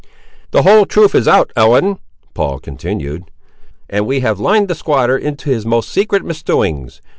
"The whole truth is out, Ellen," Paul continued, "and we have lined the squatter into his most secret misdoings.